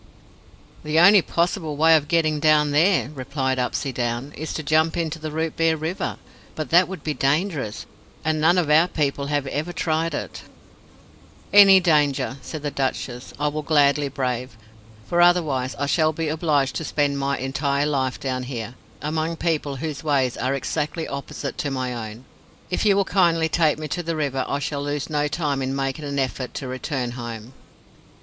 "The only possible way of getting down there," replied Upsydoun, "is to jump into the Rootbeer River; but that would be dangerous, and none of our people have ever tried it" "Any danger," said the Duchess, "I will gladly brave; for otherwise I shall be obliged to spend my entire life down here, among people whose ways are exactly opposite to my own. If you will kindly take me to the river I shall lose no time in making an effort to return home."